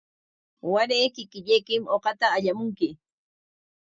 Waray kikillaykim uqata allamunki.